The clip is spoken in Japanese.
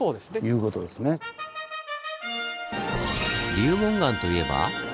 流紋岩といえば。